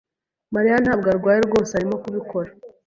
Mariya ntabwo arwaye rwose. Arimo kubikora.